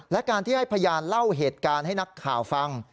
และการที่ให้พยานเล่าเหตุการณ์ให้นักข่าวฟัง